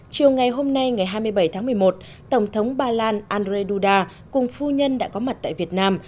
chiều ngày hôm nay ngày hai mươi bảy tháng một mươi một tổng thống ba lan andrzej duda cùng phu nhân đã có mặt tại việt nam